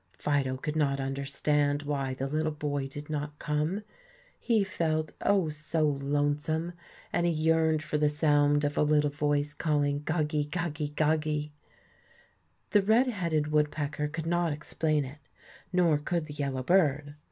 Fido could not understand why the little boy did not come; he felt, oh' so lonesome, and he yearned for the sound of a little voice calling "Goggie, goggie, goggie." The red headed woodpecker could not explain it, nor could the yellow bird.